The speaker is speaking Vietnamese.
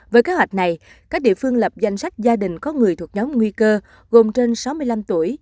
với kế hoạch này các địa phương lập danh sách gia đình có người thuộc nhóm nguy cơ gồm trên sáu mươi năm tuổi